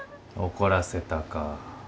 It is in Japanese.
怒らせたか。